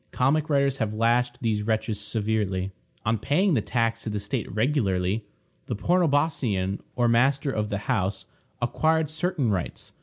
Comic writers have lashed these wretches severely. On paying the tax to the state regularly, the pornobosceion, or master of the house, acquired certain rights.